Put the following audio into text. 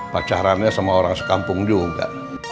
pacarannya sama orang sekampung juga